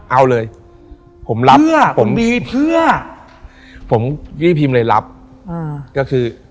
เอาเลยผมรับผมรีบพิมพ์เลยรับก็คือ